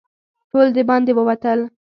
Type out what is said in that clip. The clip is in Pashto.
ټول د باندې ووتل.